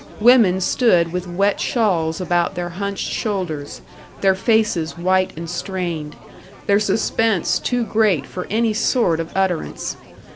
Women stood with wet shawls about their hunched shoulders, their faces white and strained, their suspense too great for any sort of utterance.